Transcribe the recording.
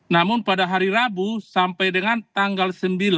namun pada hari rabu sampai dengan tanggal sembilan